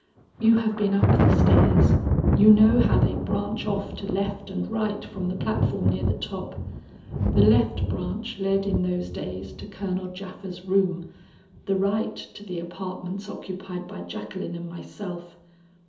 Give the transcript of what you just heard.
You have been up the stairs; you know how they branch off to left and right from the platform near the top. The left branch led in those days to Colonel Japha's room, the right to the apartments occupied by Jacqueline and myself.